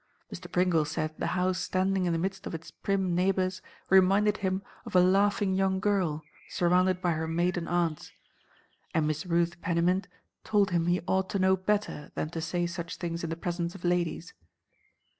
Mr. Pringle said the house standing in the midst of its prim neighbours reminded him of a laughing young girl surrounded by her maiden aunts; and Miss Ruth Pennymint told him he ought to know better than to say such things in the presence of ladies.